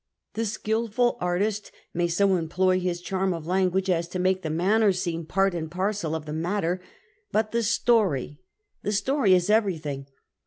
The skilful artist may so employ his charm of language as to make the manner seem j)art and parcel of the matter, but the story — the story is everything.